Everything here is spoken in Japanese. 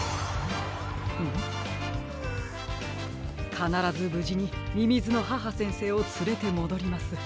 かならずぶじにみみずの母先生をつれてもどります。